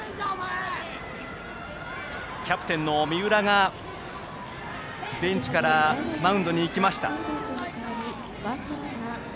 キャプテンの三浦がベンチからマウンドに行きました。